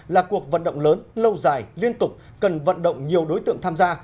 là cuộc vận động lớn lâu dài liên tục cần vận động nhiều đối tượng tham gia